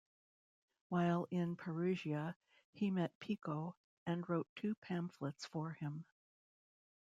While in Perugia, he met Pico, and wrote two pamphlets for him.